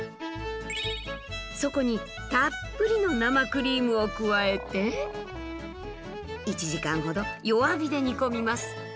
そこにたっぷりの生クリームを加えて１時間ほど弱火で煮込みます。